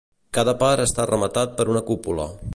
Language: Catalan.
Cada part està rematat per una cúpula.